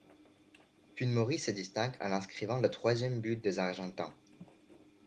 Funes Mori se distingue en inscrivant le troisième but des argentins.